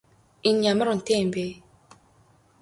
Энэ ямар үнэтэй юм бэ?